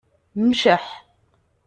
Mceḥ.